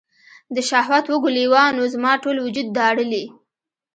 د شهوت وږو لیوانو، زما ټول وجود داړلي